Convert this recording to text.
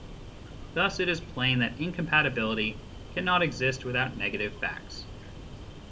Thus it is plain that incompatibility cannot exist without negative facts.